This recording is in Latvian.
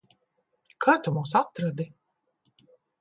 Kā tu mūs atradi?